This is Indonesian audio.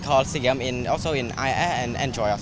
dan saya pikir itu bagus